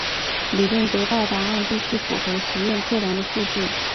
理论得到的答案必须符合实验测量的数据。